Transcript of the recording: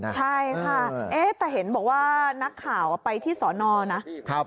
ใช่ค่ะแต่เห็นบอกว่านักข่าวไปที่สอนอนะ